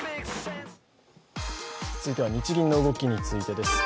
続いては日銀の動きについてです。